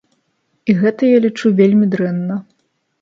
І гэта, я лічу, вельмі дрэнна.